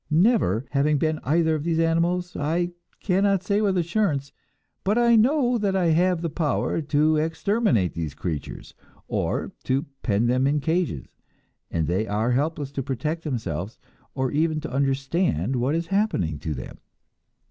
Never having been either of these animals, I cannot say with assurance; but I know that I have the power to exterminate these creatures, or to pen them in cages, and they are helpless to protect themselves, or even to understand what is happening to them.